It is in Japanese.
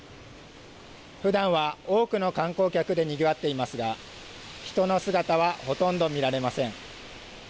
ふだんは多くの観光客でにぎわっていますが人の姿はほとんど見られません。